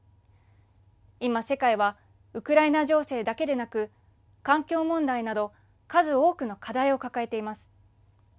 今、世界はウクライナ情勢だけでなく環境問題など数多くの課題を抱えています。